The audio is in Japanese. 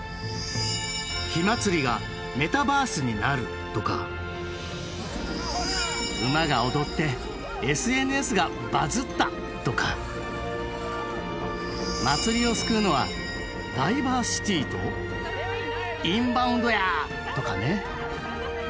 「火まつりがメタバースになる」とか「馬が踊ってＳＮＳがバズった！」とか「祭りを救うのはダイバーシティとインバウンドや」とかね。